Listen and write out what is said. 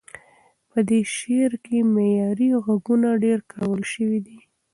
په دې شعر کې معیاري غږونه ډېر کارول شوي دي.